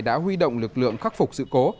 đã huy động lực lượng khắc phục sự cố